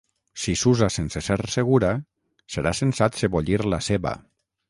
Si s'usa sense ser segura, serà sensat sebollir la ceba.